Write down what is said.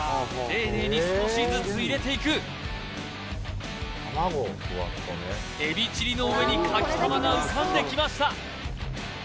丁寧に少しずつ入れていくエビチリの上にかきたまが浮かんできました